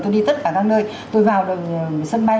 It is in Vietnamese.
tôi đi tất cả các nơi tôi vào sân bay